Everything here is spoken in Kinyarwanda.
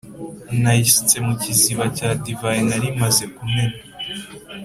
nayisutse mu kiziba cya divayi nari maze kumena